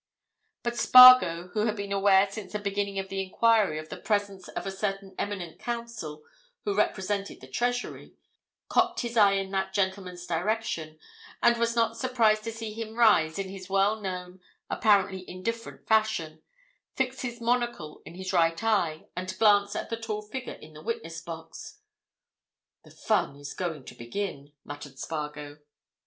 But Spargo, who had been aware since the beginning of the enquiry of the presence of a certain eminent counsel who represented the Treasury, cocked his eye in that gentleman's direction, and was not surprised to see him rise in his well known, apparently indifferent fashion, fix his monocle in his right eye, and glance at the tall figure in the witness box. "The fun is going to begin," muttered Spargo.